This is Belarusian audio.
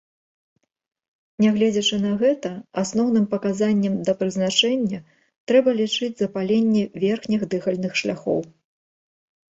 Нягледзячы на гэта, асноўным паказаннем да прызначэння трэба лічыць запаленне верхніх дыхальных шляхоў.